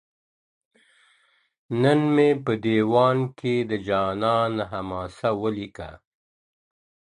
نن مي په دېوان کي د جانان حماسه ولیکه.